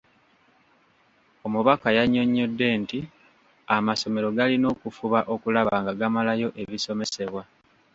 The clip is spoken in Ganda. Omubaka yannyonnyodde nti amasomero galina okufuba okulaba nga gamalayo ebisomesebwa.